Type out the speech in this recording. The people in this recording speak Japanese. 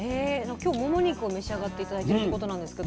今日モモ肉を召し上がって頂いてるということなんですけど。